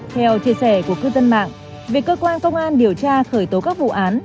theo chia sẻ của cư dân mạng việc cơ quan công an điều tra khởi tố các vụ án